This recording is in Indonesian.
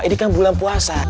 ini kan bulan puasa